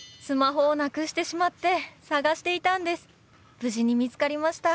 無事に見つかりました。